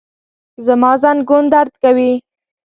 زما زنګون درد کوي